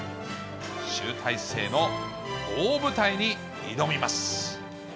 集大成の大舞台に挑みます。